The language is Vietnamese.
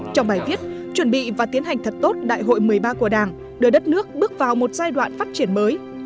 trong bài viết chuẩn bị và tiến hành thật tốt đại hội một mươi ba của đảng đưa đất nước bước vào một giai đoạn phát triển mới